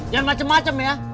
jangan macem macem ya